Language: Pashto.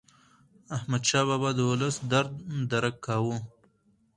احمدشاه بابا د ولس درد درک کاوه.